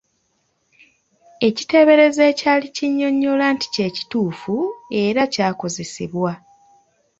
Ekiteeberezo ekyali kinnyonnyola nti kye kituufu eraky'akozesebwa.